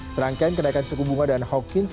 serangkaian kenaikan suku bunga dan hawkins